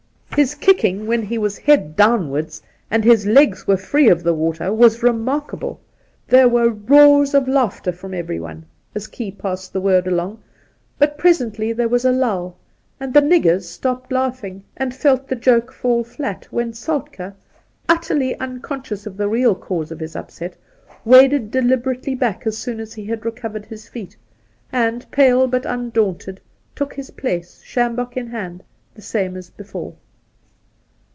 His kicking when he was head down wards and his legs were free of the water was remarkable. There were roars of laughter from everyone, as Key had passed the word along ; but presently there was a lull, and the niggers stopped laughing and felt the joke fall flat, when Soltke, utterly unconscious of the real cause of his upset, waded deliberately back as soon as he recovered his feet, and, pale but undaunted, took his place, sjambok in hand, the same as before.